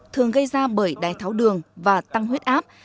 thường gây ra bởi đai tháo đường và tăng huyết áp